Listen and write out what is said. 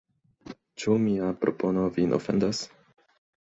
Ĉu mia propono vin ofendas?